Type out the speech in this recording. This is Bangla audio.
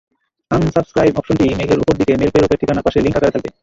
আনসাবসক্রাইব অপশনটি মেইলের ওপরদিকে মেইল প্রেরকের ঠিকানার পাশে লিংক আকারে থাকবে।